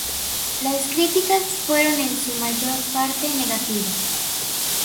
Las críticas fueron en su mayor parte negativas.